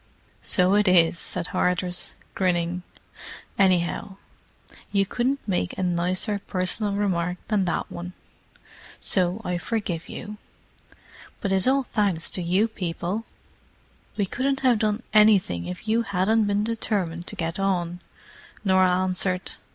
"So it is," said Hardress, grinning. "Anyhow, you couldn't make a nicer personal remark than that one. So I forgive you. But it's all thanks to you people." "We couldn't have done anything if you hadn't been determined to get on," Norah answered.